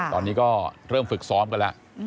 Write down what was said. ตอนนี้ก็เริ่มฝึกซ้อมกันแล้ว